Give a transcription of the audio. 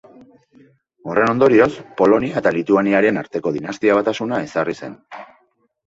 Horren ondorioz, Polonia eta Lituaniaren arteko dinastia batasuna ezarri zen.